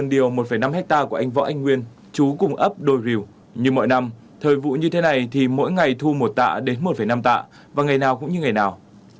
điều một năm hectare của anh võ anh nguyên chú cùng ấp đôi rìu như mọi năm thời vụ như thế này thì mỗi ngày thu một tạ đến một năm tạ và ngày nào cũng như ngày nào